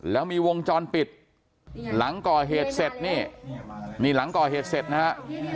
แล้วมีวงจรปิดหลังก่อเหตุเสร็จนี่นี่หลังก่อเหตุเสร็จนะฮะ